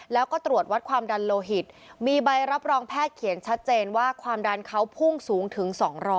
แล้วก็ตรวจวัดความดันโลหิตมีใบรับรองแพทย์เขียนชัดเจนว่าความดันเขาพุ่งสูงถึง๒๐๐